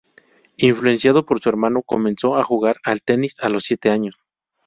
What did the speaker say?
Influenciado por su hermano, comenzó a jugar al tenis a los siete años.